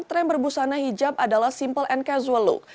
tren berbusana hijab adalah simple and casual look